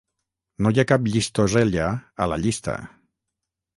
No hi ha cap Llistosella, a la llista.